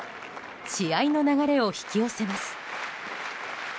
試合の流れを引き寄せます。